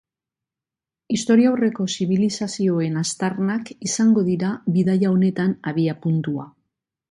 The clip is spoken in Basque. Historiaurreko zibilizazioen aztarnak izango dira bidaia honetan abiapuntua.